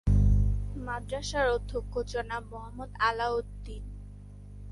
মাদ্রাসার অধ্যক্ষ জনাব মোহাম্মদ আলাউদ্দীন।